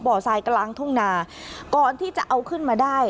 ทรายกลางทุ่งนาก่อนที่จะเอาขึ้นมาได้